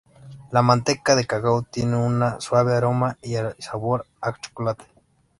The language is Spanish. La manteca de cacao tiene un suave aroma y sabor a chocolate.